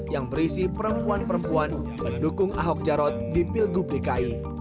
yang berisi perempuan perempuan mendukung ahok jarot di pilgub dki